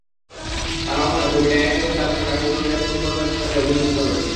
তাঁর আহ্বানে কবি ডায়াসে এসে দাঁড়াতেই কাব্যপ্রেমীরা তুমুল করতালিতে তাঁকে অভিনন্দিত করেন।